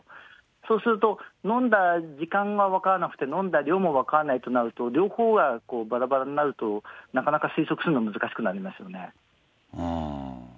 そうすると、飲んだ時間が分からなくて、飲んだ量も分からないとなると、両方がばらばらになると、なかなか推測するのは難しくなりますよね。